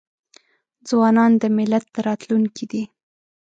ځوانان د ملت راتلونکې دي.